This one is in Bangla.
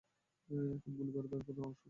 এখন গুলি বের করো, আর শ্যুট করো!